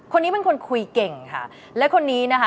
คนนี้เป็นคนคุยเก่งค่ะและคนนี้นะคะ